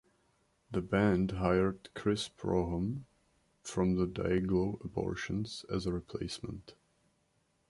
The band hired Chris Prohom from the Dayglo Abortions as a replacement.